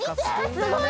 すごい！